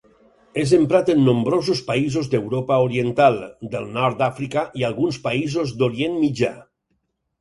És emprat en nombrosos països d'Europa oriental, del nord d'Àfrica i alguns països d'Orient Mitjà.